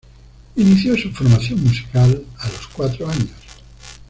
Inició su formación musical a los cuatro años.